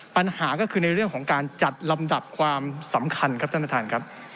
ปัญหาก็คือในเรื่องของการจัดลำดับความสำคัญครับท่านประธานครับ